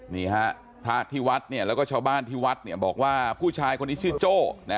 นี่ฮะพระที่วัดเนี่ยแล้วก็ชาวบ้านที่วัดบอกว่าผู้ชายคนนี้ชื่อโจ้